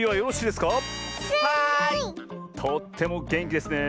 とってもげんきですねえ。